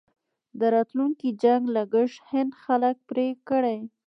د راتلونکي جنګ لګښت هند خلک پرې کړي.